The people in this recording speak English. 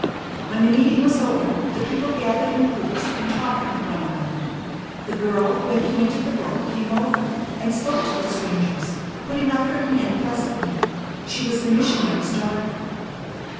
When the meeting was over, the people gathered in groups and talked with one another. The girl who had handed the book came over and spoke to the strangers, putting out her hand pleasantly. She was the missionary's daughter.